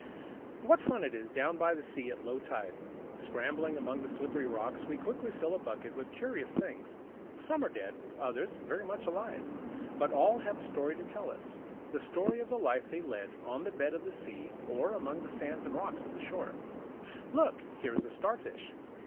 What fun it is down by the sea at low tide! Scrambling among the slippery rocks, we quickly fill a bucket with curious things. Some are dead, others very much alive; but all have a story to tell us the story of the life they lead on the bed of the sea, or among the sands and rocks of the shore. Look, here is a Starfish!